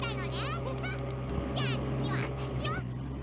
じゃあつぎはわたしよ！